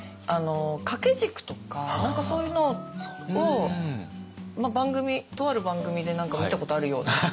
掛け軸とか何かそういうのを番組とある番組で何か見たことあるような。